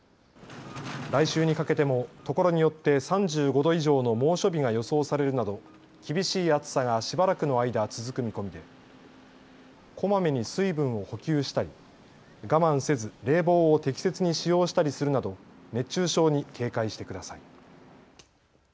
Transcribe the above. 来週にかけてもところによって３５度以上の猛暑日が予想されるなど厳しい暑さがしばらくの間、続く見込みでこまめに水分を補給したり我慢せず冷房を適切に使用したりするなど熱中症に警戒してください。